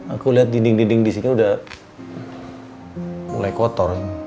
aku lihat dinding dinding disini udah mulai kotor